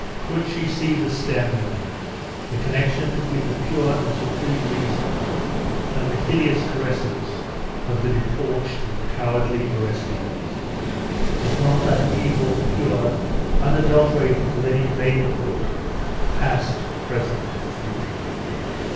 Could she see the stem there? the connection between the pure and supreme Reason, and the hideous caresses of the debauched and cowardly Orestes? was not that evil pure, unadulterate with any vein of good, past, present, or future?...